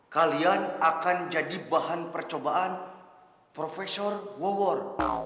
kalian akan jadi bahan percobaan profesor wor